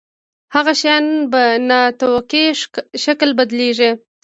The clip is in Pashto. هغه شیان په نا توقعي شکل بدلیږي.